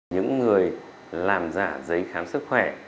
những người làm giả giấy khám sức khỏe